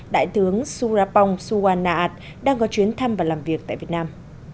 đại tướng surapong suwan naat đang có chuyến thăm và làm việc tại việt nam